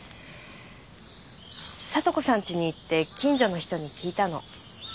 聡子さんちに行って近所の人に聞いたの。